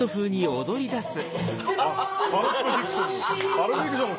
『パルプ・フィクション』